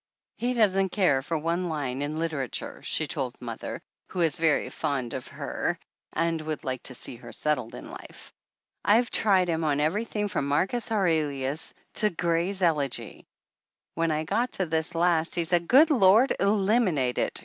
"He doesn't care for one line in literature," she told mother, who is very fond of her and would like to see her settled in life. "I've tried him on everything from Marcus Aurelius to Gray's Elegy. When I got to this last he said, 'Good Lord ! Eliminate it !